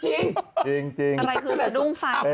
อะไรคือสะดุ้งไฟ